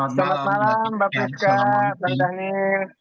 selamat malam mbak pekka pak daniel